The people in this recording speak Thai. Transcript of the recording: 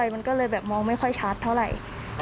มันก็เลยแบบมองไม่ค่อยชัดเท่าไหร่